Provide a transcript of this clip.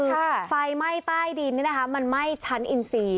คือไฟไหม้ใต้ดินมันไหม้ชั้นอินซี